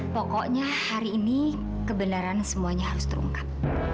pokoknya hari ini kebenaran semuanya harus terungkap